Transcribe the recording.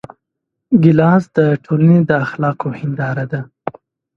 ګیلاس د ټولنې د اخلاقو هنداره ده.